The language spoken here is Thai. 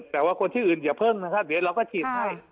แต่ว่าคนที่อื่นอย่าเพิ่งนะครับเดี๋ยวเราก็ฉีดให้